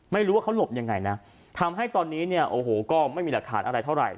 ไม่รู้ว่าเขาหลบยังไงนะทำให้ตอนนี้เนี่ยโอ้โหก็ไม่มีหลักฐานอะไรเท่าไหร